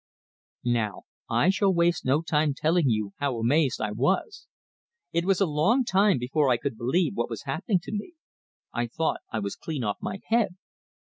Now, I shall waste no time telling you how amazed I was. It was a long time before I could believe what was happening to me; I thought I was clean off my head.